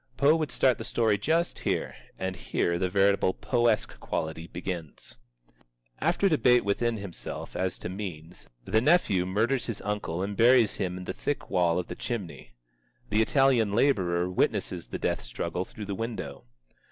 Poe would start the story just here, and here the veritable Poe esque quality begins. After debate within himself as to means, the nephew murders his uncle and buries him in the thick wall of the chimney. The Italian laborer witnesses the death struggle through the window.